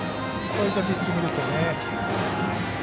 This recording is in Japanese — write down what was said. そういったピッチングですよね。